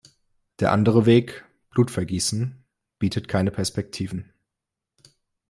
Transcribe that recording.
Der andere Weg – Blutvergießen – bietet keine Perspektiven.